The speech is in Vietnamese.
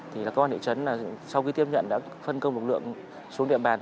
thì là công an thị trấn là sau khi tiếp nhận đã phân công một lượng xuống địa bàn